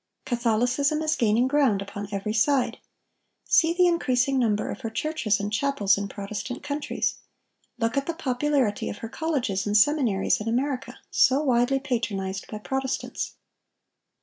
Catholicism is gaining ground upon every side. See the increasing number of her churches and chapels in Protestant countries. Look at the popularity of her colleges and seminaries in America, so widely patronized by Protestants.